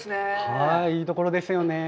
はい、いいところですよね。